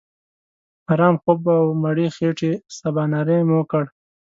آرام خوب او مړې خېټې سباناري مو وکړه.